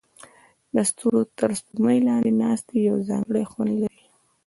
د ستورو تر سپوږمۍ لاندې ناستې یو ځانګړی خوند لري.